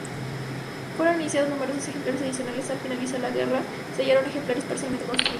Fueron iniciados numerosos ejemplares adicionales, al finalizar la guerra se hallaron ejemplares parcialmente construidos.